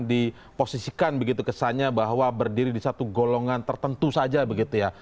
diposisikan begitu kesannya bahwa berdiri di satu golongan tertentu saja begitu ya